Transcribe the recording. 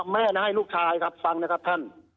แม่นะให้ลูกชายครับฟังนะครับท่าน